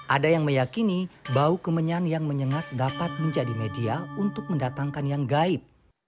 ada yang meyakini bau kemenyan yang menyengat dapat menjadi media untuk mendatangkan yang gaib